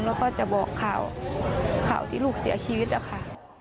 แล้วก็จะบอกข่าวข่าวที่ลูกเสียชีวิตอะค่ะ